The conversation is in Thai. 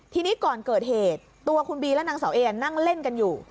ทีนี้ก่อนเกิดเหตุตัวคุณบีและนางเสาเอนั่งเล่นกันอยู่